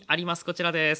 こちらです。